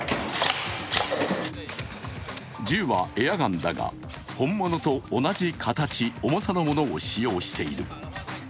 銃はエアガンだが、本物と同じ形、重さのものを使用している。